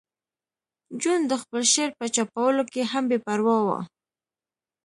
جون د خپل شعر په چاپولو کې هم بې پروا و